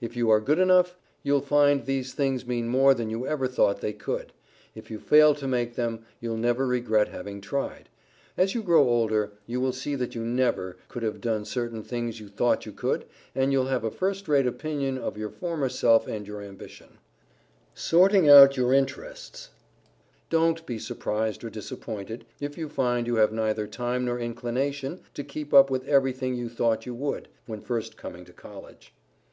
If you are good enough, you'll find these things mean more than you ever had thought they could; if you fail to make them, you'll never regret having tried. As you grow older, you will see that you never could have done certain things you thought you could, and you'll have a first rate opinion of your former self and your ambition. [Sidenote: SORTING OUT YOUR INTERESTS] Don't be surprised or disappointed, if you find you have neither time nor inclination to keep up with everything you thought you would, when first coming to College.